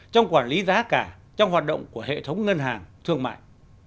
trong quản lý giá cả trong hoạt động của hệ thống ngân hàng thương mại